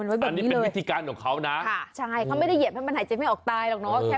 อันนี้เป็นวิธีการของเขานะใช่เขาไม่ได้เหยียบให้มันหายใจไม่ออกตายหรอกเนาะ